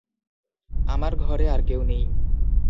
আমার ঘরে আর-কেউ নেই।